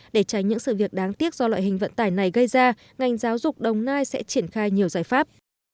để tránh những sự việc đáng tiếc do loại hình vận tải này gây ra ngành giáo dục đồng nai sẽ triển khai nhiều giải pháp